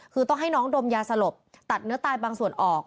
คือต้องให้น้องดมยาสลบตัดเนื้อตายบางส่วนออก